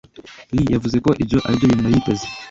Lee yavuze ko ibyo aribyo bintu yari yiteze.